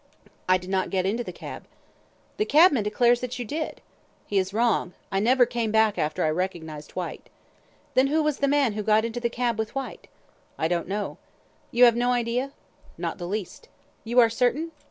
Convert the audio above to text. "I did not get into the cab." "The cabman declares that you did." "He is wrong. I never came back after I recognised Whyte." "Then who was the man who got into the cab with Whyte?" "I don't know." "You have no idea?" "Not the least." "You are certain?"